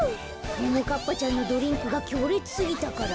ももかっぱちゃんのドリンクがきょうれつすぎたから？